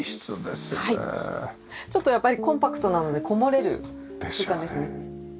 ちょっとやっぱりコンパクトなのでこもれる空間ですね。ですよね。